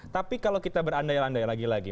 tapi kalau kita berandai andai lagi lagi